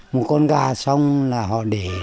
một con gà xong là họ để